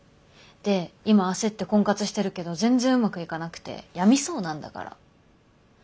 で今焦って婚活してるけど全然うまくいかなくて病みそうなんだから。